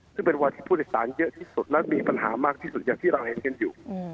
ซึ่งเป็นวันที่ผู้โดยสารเยอะที่สุดและมีปัญหามากที่สุดอย่างที่เราเห็นกันอยู่